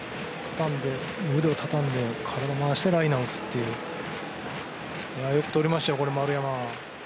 腕をたたんで体を回してライナーを打つというよく捕りましたよ丸山。